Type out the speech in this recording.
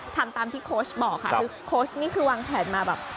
ทำตามที่โค้ชบอกค่ะคือโค้ชนี่คือวางแผนมาแบบ